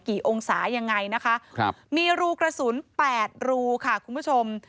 องศายังไงนะคะครับมีรูกระสุนแปดรูค่ะคุณผู้ชม